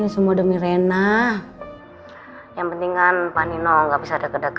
sebenernya tante juga gak tega